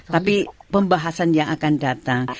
tapi pembahasan yang akan datang